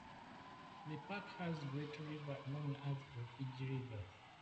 The park has great river known as Rufiji river.